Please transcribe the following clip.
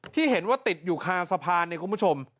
ที่เห็นว่าติดอยู่คาสะพานเนี่ยคุณผู้ชม